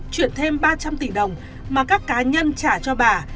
chuyển thêm ba trăm linh tỷ đồng mà các cá nhân trả cho bà